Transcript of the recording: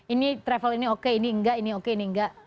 ini travel ini oke ini enggak ini oke ini enggak